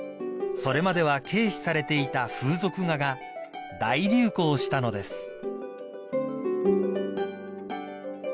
［それまでは軽視されていた風俗画が大流行したのです］